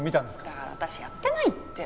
だから私やってないって！